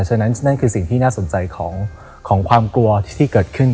ฉะนั้นนั่นคือสิ่งที่น่าสนใจของความกลัวที่เกิดขึ้น